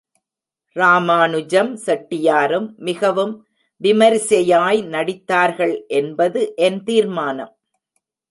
ராமாநுஜம் செட்டியாரும் மிகவும் விமரிசையாய் நடித்தார்கள் என்பது என் தீர்மானம்.